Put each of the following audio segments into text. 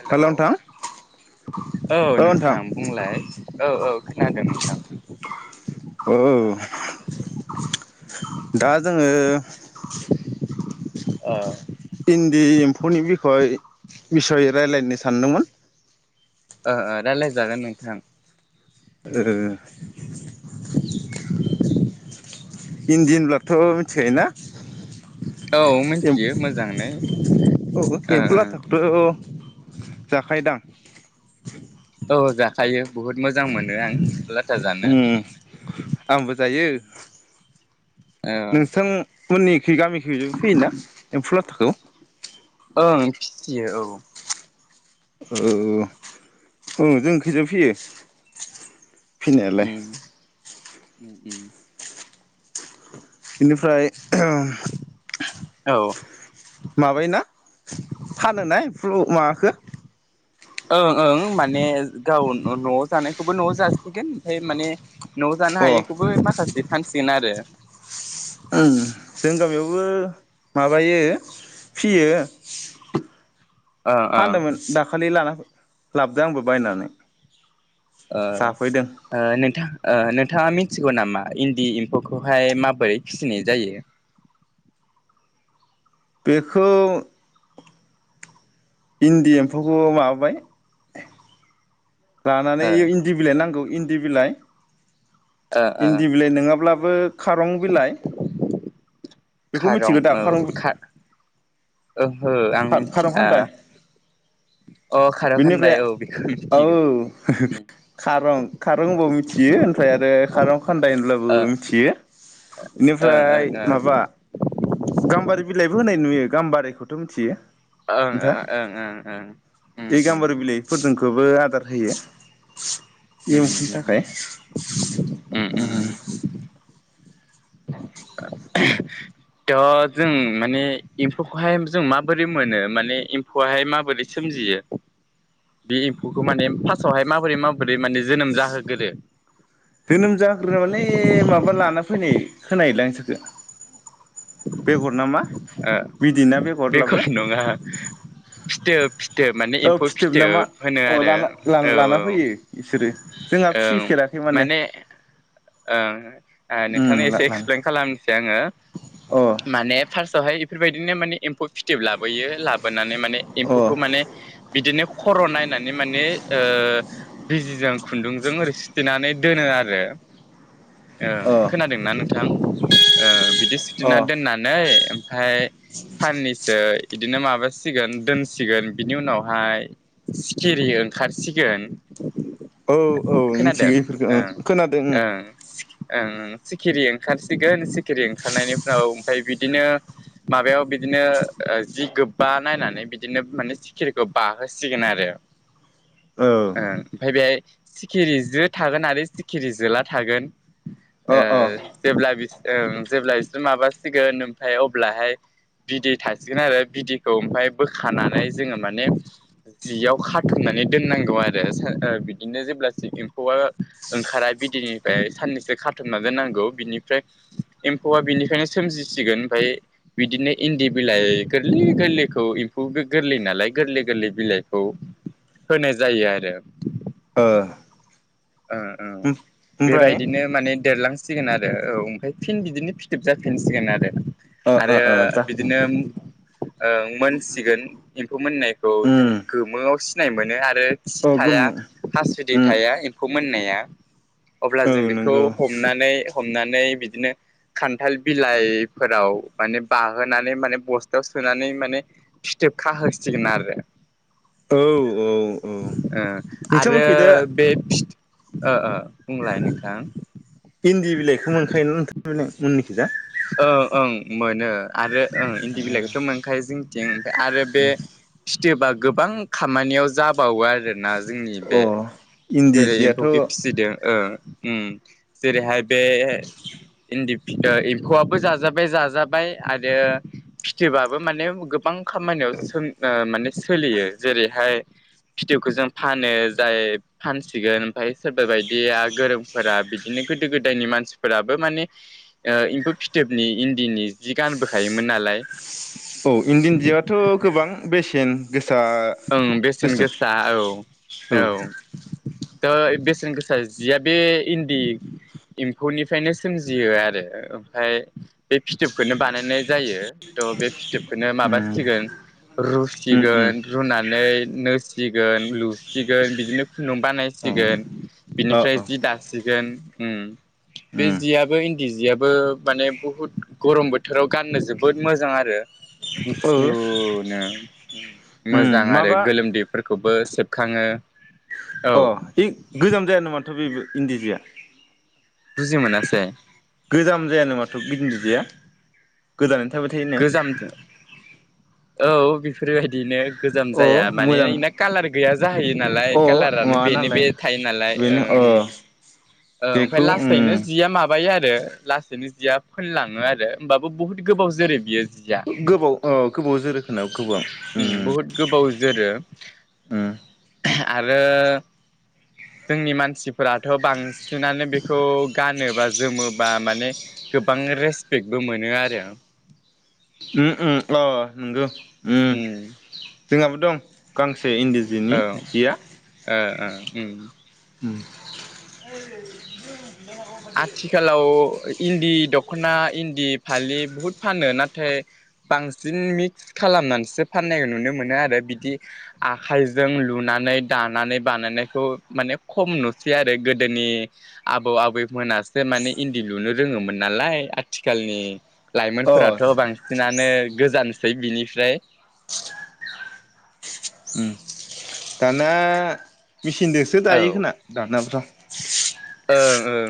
Hello hello नोंथां औ नोंथां बुंलाय औ औ खोनादों नोंथां औ दा जोङो ओ इन्दि एम्फौनि बिखय बिसय रायलायनो सानदोंमोन। ओ ओ रायलायजागोन नोंथां ओ इन्दि होनोब्लाथ' थ' मिथिखायोना औ ए मिथियो मोजाङै औ ओ एम्फौ ओ लाथाखौथ' जाखायोदां औ जाखायो बहुत मोजां मोजां मोनो आं लाथा जानो उम [inaudible] आंबो जायो ओ नोंथां [unintelligible] गामिखैबो फैयोना एम्फुलाथाखौ खौ ओं फिसियो औ औ औ औ जों खैजाबो फैयो। फिसिनायालाय उम उम उम बेनिफ्राय औ माबायोना फानोना एमफ्लु माबाखो ओं ओं माने गाव नआव जानायखौबो नआव जासिगोन ओमफ्राय माने न जानो अ हायैखौबो माखासे फानसिगोन आरो ओम जों गामियावबो माबायो फियो। ओ ओ फानदोंमोन दाखालि लाना फै लाबदो आंबो बायनानै ओ जाफैदों ओ नोंथां ओ नो नोंथाङा मिथिगौ नामा इन्दि एम्फौखौहाय माबोरै फिसिनाय जायो। बेखौ इन्दि एम्फौखौ माबाबाय लानानै ओ इन्दि बिलाइ नांगौ इन्दि बिलाइ ओ ओ इन्दि बिलाइ नङाब्लाबो खारं बिलाइ बेखौ खारं मिथिगौ दा औ खारं खा ओहो आं खा खारं मिथिया खान्दाय अ खार बेनिफ्राय खानदाय औ बेखौ औ मिथिगौ खारं खारं होनबाव मिथियो ओमफ्राय आरो खारं खान्दाय होनब्लाबो ओ मिथियो ओं ओं बेनिफ्राय ओं माबा गाम्बारि बिलाइबो होनाय नुयो गामबारिखौथ मिथियो ओं नोंथाङा ओं ओं ओं उम उम गोबो आरो आगार होयो। इ उम एमफुनि उम थाखाय उम टो जों माने एम्फौखौहाय जों माबोरै मोनो माने एम्फौआहाय माबोरै सोमजियो बे एम्फौखौ माने फार्स्टआवहाय माबोरै माबोरै माने जोनोम जाहोगोरो। जोनोम जाग्रोन माने माबा लाना फैनाय खोनायोलां इसोरखो बेगर ना मा ओ बिदै बेखौ नङा फिथोब फिथोब माने औ एम्फौ फिथोब नामा होनो आरो औना औ लाना फैयो बिसोरो जोंहा फिसिफेराखै माने ओं ओ नोंथांनो उम एसे लाना एक्सप्लेन खालामनोसै आङो अ माने साहाय इफोरबायदिनो माने एम्फौ फिथोब लाबोयो लाबोनानै माने अ एम्फौखौ माने बिदिनो खर' नायनानै माने ओ बिजिजों खुन्दुंजों ओरै सिथेनानै दोनो आरो अ ओं खोनादों ना नों बिथां ओ बि दि अ सिथिना दोन्नानै ओमफाय साननैसो बिदिनो माबासिगोन दोनसिगोन बिनि उनावहाय सिखिरि ओंखारसिगोन औ मिथिगौ बेफोरखौ ओं खोनादों ओं ओं ओं सिखिरि ओंखारसिगोन सिखिरि ओंखारनायनि उनाव ओमफ्राय बिदि बिदिनो माबायाव बिदिनो जि गोबा नायनानै बिदिनो माने सिखिरिखौ बाहोसिगोन आरो ओ ओमाय बेहाय सिखिरि जो थागोन आरो सिखिरि जोला थागोन औ अ अ जेब्ला बि जेब्ला बिसोर माबासिगोन ओमफाय अब्लाहाय बिदै थासिगोन आरो बिदैखौ ओमफाय बोखानानै जोङो माने जियाव खाथुमनानै दोननांगौ आरो बिदिनो जेब्ला एम्फौआ ओंखारा बिदैनिफ्राय साननैसो खाथुमना दोननांगौ बिनिफ्राय एम्फौआ बिनिफ्रायनो सोमजिसिगोन ओमफाय बिदिनो इन्दि बिलाइ गोरलै गोरलैखौ एम्फौ बे गोरलै नालाय गोरलै गोरलै बिलाइखौ होनाय जायो आरो ओ ओ ओ ओमफ्राय बेबायदिनो माने देरलांसिगोन आरो औ ओमफाय फिन बिदिनो फिथोब जाफिनसिगोन आरो ओ ओ आरो ओ जाखांबाय बिदिनो ओं मोनसिगोन एम्फौ मोननायखौ जों उम गोमोआव सिनाय मोनो आरो सि अ थाया गोमो हासुदि उम थाया फोमोननाया अब्ला औ जों बेखौ नंगौ हमनानै हमनानै बिदिनो खान्थाल बिलाइफोराव माने बाहोनानै माने बस्थायाव सोनानै माने फिथोब खाहोसिगोन आरो औ औ औ ओ आरो नोंथांमोनखै दा बे फि ओ ओ बुंलाय नोंथां इन्दी बिलाइखौ मोनखायोना नोंथां मोन मोननिखोजा ओं ओं मोनो आरो ओं इन्दि बिलाइखौथ' मोनखायो जों थिं आरो बे फिथोबा गोबां खामानियाव जाबावो आरोना जोंनि अ बे इन्दि जेरै जियाथ' एम्फौखि औ फिसिदों ओं ओ जेरैहाय बे इन्दि फिथा एम्फौआबो जाजाबाय जाजाबाय आरो फिथोबाबो माने गोबां खामानियाव सों माने सोलियो जेरैहाय फिथोबखौ जों फानो जाय फानसिगोन ओमफाय सोरबा बायदिया गोरोंफोरा बिदिनो गोदो गोदायनि मानसिफोराबो माने एम्फौ फिथोबनि इन्दिनि जि गानबोखायोमोन नालाय थिन गोस ओं बेसेन गोसा औ औ थ' बेसेन गोसा जिया बे इन्दि एम्फौनिफ्रायनो सोमजियो आरो ओमफाय बे फिथोबखौनो बानायनाय जायो थ' बे फिथोबखौनो उम माबासिगोन उम रुसिगोन होननानै नोसिगोन लुसिगोन बिदिनो खुन्दुं उम बानायसिगोन अ अ बिनिफ्राय अ जि दास ओम बे उम जियाबो इन्दि सियाबबो माने बुहुत गरम बोथोराव गाननो जोबोद मोजां आरो औ गुसुनो उम मोजां आरो गोलोमदैफोरखौबो जोबखाङो अ गोजाम जाया नामा दाथ' बेबो इन्दि जिया बुजि मोनासै गोजाम जायानो माथो बे इन्दि जिया गोदानै नो थाबाय थायोनो गोजाम औ बेफोरबायदिनो गोजाम अ जाया माने मोजां इना कालार गैया जाहैयो नालाय अ कालारानो माबा बेनो बे नालाय थायो नालाय बेनो अ ओम ओम ओमफ्राय बेखौ लासैनो उम जिया माबायो आरो लासैनो जिया फोनलाङो आरो होमबाबो बुहुत गोबाव जोरो इयो गोबाव ओ गोबाव जोरो खोमा गोबाव ओं बुहुत गोबाव जोरो [unintelligible] ओम आरो जोंनि मानसिफोराथ' बांसिनानो बेखौ गानोबा जोमोबा माने गोबां रेसपेक्टबो मोनो आरो ओ ओम अ नोंगौ उम जोंहाबो दं गां से इन्दि जिनि औ जिया ओ ओ उम उम [unintelligible] आथिखालाव इन्दि दख'ना इन्दि फालि बहुद फानो नाथाय बांसिन मिक्स खालामनानैसो फाननायखौ नुनो मोनो आरो बिदि आखाइजों लुनानै दानानै बानायनायखौ माने खम नुसै आरो गोदोनि आबौ आबै मोनासो माने इन्दि लुनो रोङोमोन नालाय आथिखालनि अ लाइमोनफोराथ' बांसिन बिनानो गोजानसै बिनिफ्राय उम दाना मेचिनजोंसो औ दायो खोना दानाफ्रा [inaudible] ओं ओं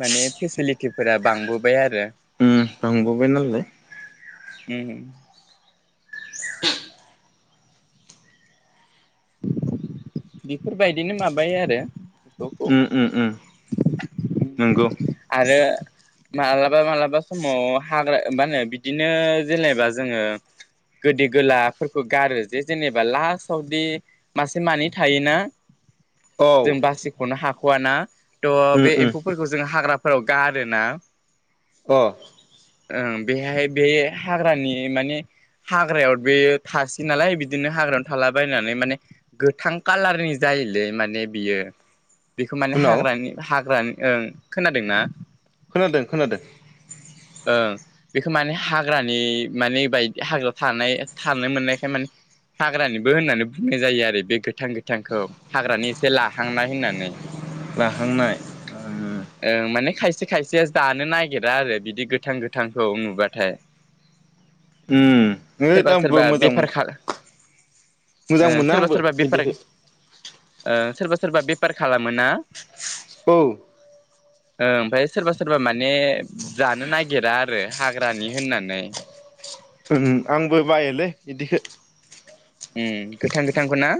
माने फेसिलिटिफोरा बांबोबाय आरो उम बांबोबाय नालाय ओम बेफोरबायदिनो माबायो आरो उम बेखौ उम उम नंगौ आरो मालाबा मालाबा समाव हाग्रा मा होनो बिदिनो जेनेबा जोङो गोदै गोलाफोरखौ गारो जे जेनेबा लास्टावदि मासे मानै थायोना? औ जों बासिखौनो हा खु आ ना थ' उम बे उम एम्फौफोरखौ जों हाग्राफोराव गारोना अ ओं बेहाय बे हाग्रानि माने हाग्रायाव बे थासै नालाय बिदिनो हाग्रायावनो थालाबायनानै माने गोथां कालारनि जायोलै माने बियो। बेखौ माने उनाव हाग्रानि हाग्रानि ओं खोनादोंना खोनादों खोनादों। ओ बेखौ माने हाग्रानि माने बायदि हाग्राायाव थानाय थानो मोननायखाय माने हाग्रानिबो होननानै बुंनाय जायो आरो बे गोथां गोथांखौ हाग्रानि एसे लाहांनाय होननानै लाहांनाय ओम खसे खायसे जानो नागिरा आरो बिदि गोथां गोथांखौ नुबाथाय उम हैओद सोरबा आंबो सोरबा मोजां बेफार खा ओ मोजां मोनो सोरबा आंबो सोरबा बेफार इदिखो ओ सोरबा सोरबा बेफार खालामो ना औ ओ ओमफ्राय सोरबा सोरबा माने जानो नाग गिरा आरो हाग्रानि होननानै उम आंबो बायोलै इदिखो उम गोथां गोथांखौ ना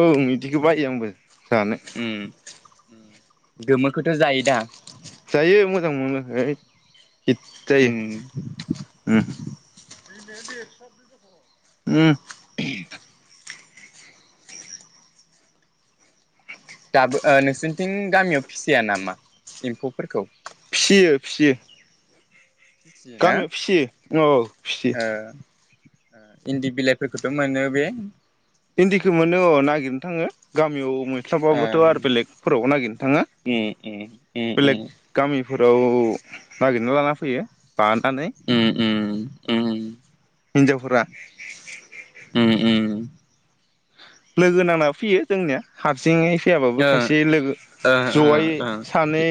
औ इदिखौ बायो आंबो जानो उम गोमोखौथ' जायो दा जायो मोजां मोनो है हित जायो उम उम उम [unintelligible] दाबो ओ नोंसोरनिथिं गामियाव फिसिया नामा एम्फौफोरखौ फियो फियो फिसियोना गामियाव फिसियो औ फिसियो ओ इन्दि बिलाइफोरखौथ' मोनो बे इन्दिखौ मोनो अ नागिरनो थाङो गामियाव ओ मोनस्लाबाबोथ' आरो बेलेगफोराव नागिरनो थाङो उम उम बेलेग उम गामि फोराव नागिरना लाना फैयो। बानानै उम उम हिन्जावफोरा उम उम लोगो नांना फैयो जोंनिया हारसिङै फैयाबाबो ओ खायसे लोगो ओ जयै ओ सानै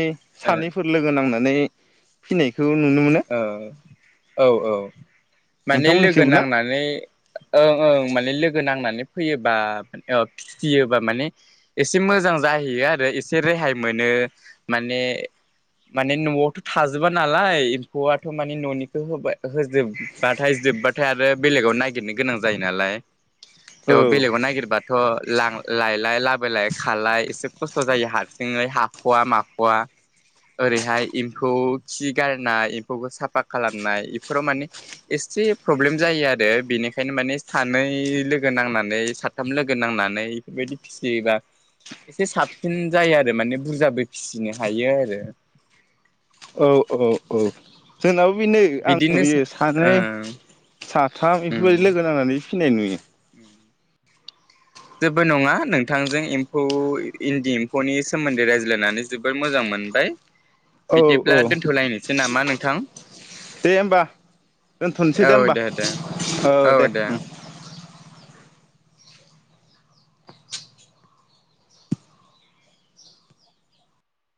सानैफोर लोगो नांनो माने फिनायखो नुनो मोनो ओ औ औ माने लोगो नोंथांमोननिखैबो ना नांनानै ओं ओं माने लोगो नांनानै फैयोबा औ फिसियोबा माने एसे मोजां जाहैयो आरो एसे रेहाय मोनो माने माने नआवथ थाजोबा नालाय फवआथ माने ननिखौ होबा- होजोबबाथाय जोब्बाथाय आरो बेलेगाव नायगिरनो गोनां जायो नालाय औ थ बेलेगाव नायगिरबाथ लां लायलाय लाबोलाय खलाय एसे खस्थ जायो हारसिङै हाखवा माखवा ओरैहाय एम्फौ खि गारनाय बो साफा खालामनाय बेफोराव माने एसे प्रब्लेम जायो आरो बेनिखायनो माने सानै लोगो नांनानै साथाम लोगो नांनानै बेफोरबायदि फिसियोबा एसे साबसिन जायो आरो माने बुरजाबो फिसिनो हायो आरो औ औ औ जोंनाबो बेनो आं बिदिनो नुयो ओ सानै साथाम उम बेफोरबायदि लोगो नांनानै फिनाय नुयो जेबो नङा नोंथांजों एम्फौ इन्दि एम्फौनि सोमोन्दै रायज्लायनानै जोबोर मोजां मोनबाय औ औ बिदिब्ला दोनथलायनोसै नामा नों थां दे होमबा दोनथनोसै औ दे होमबा दे औ दे